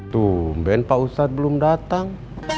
tuh mbaen pak ustadz belum datang